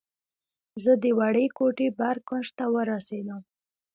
زه د وړې کوټې بر کونج ته ورسېدم.